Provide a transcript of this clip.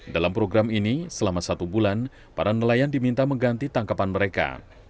dalam program ini selama satu bulan para nelayan diminta mengganti tangkapan mereka